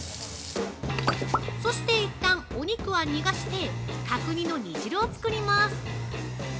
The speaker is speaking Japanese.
そして一旦、お肉は逃がして角煮の煮汁を作ります。